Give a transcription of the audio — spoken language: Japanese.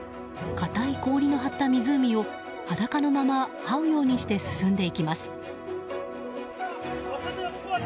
固い氷の張った湖を裸のまま這うようにして進んでいきます。